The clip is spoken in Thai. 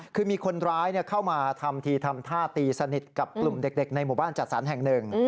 คือมีคนร้ายเข้ามาทำทีทำท่าตีสนิทกับกลุ่มเด็กในหมู่บ้านจัดสรรแห่งหนึ่ง